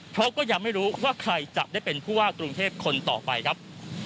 เพราะก็ยังไม่รู้ว่าใครจะได้เป็นผู้ว่ากรุงเทพคนต่อไปครับ